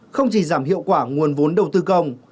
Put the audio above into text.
không chỉ giảm hiệu quả nguồn vốn đầu tư công